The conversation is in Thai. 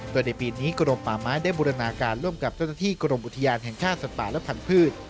โดยในปีนี้กรมป่าไม้ได้บูรณาการร่วมกับเจ้าหน้าที่กรมอุทยานแห่งชาติสัตว์ป่าและพันธุ์